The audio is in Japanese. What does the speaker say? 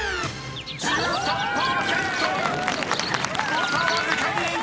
［誤差わずかに１！］